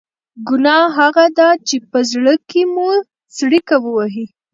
ګناه هغه ده چې په زړه کې مو څړیکه ووهي.